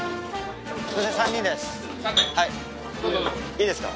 いいですか？